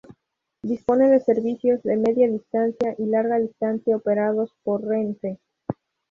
Dispone de servicios de media distancia y larga distancia operados por Renfe.